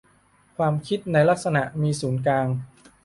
ความคิดในลักษณะ มีศูนย์กลาง